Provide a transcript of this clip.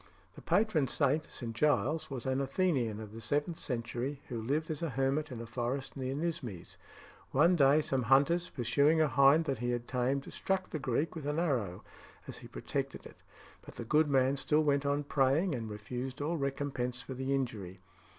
The patron saint, St. Giles, was an Athenian of the seventh century, who lived as a hermit in a forest near Nismes. One day some hunters, pursuing a hind that he had tamed, struck the Greek with an arrow as he protected it, but the good man still went on praying, and refused all recompense for the injury.